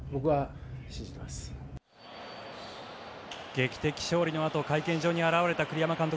劇的勝利のあと会見場に現れた栗山監督